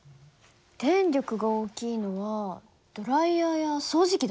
電力が大きいのはドライヤーや掃除機だね。